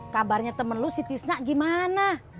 kabarnya temen lu si tisna gimana